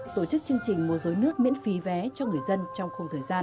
tổ chức chương trình mua rối nước miễn phí vé cho người dân trong không thời gian